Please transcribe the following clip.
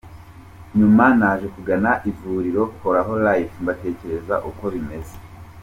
Nyuma naje kugana ivuriro Horaho Life, mbatekerereza uko bimeze.